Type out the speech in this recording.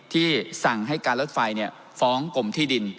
ที่สั่งให้การลดไฟเนี่ยฟ้องกลมที่ดิน